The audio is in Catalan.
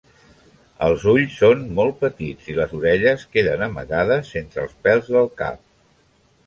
Els ulls són molt petits i les orelles queden amagades entre els pèls del cap.